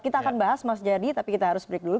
kita akan bahas mas jayadi tapi kita harus break dulu